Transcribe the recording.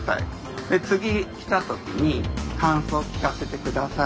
で次来たときに感想を聞かせて下さい。